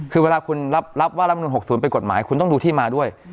คือเวลาคุณรับว่ารัฐมนุน๖๐เป็นกฎหมายคุณต้องดูที่มาด้วย